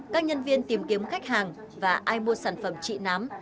các nhân viên tìm kiếm khách hàng và ai mua sản phẩm trị nám